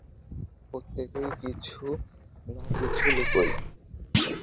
প্রত্যেকেই কিছু না কিছু লুকোয়।